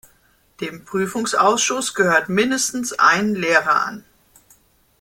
Dem Prüfungsausschuss gehört mindestens ein Lehrer an.